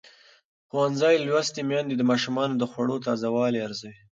ښوونځې لوستې میندې د ماشومانو د خوړو تازه والی ارزوي.